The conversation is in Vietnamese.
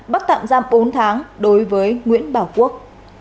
bắt tạm giam bốn tháng đối với nguyễn bảo quốc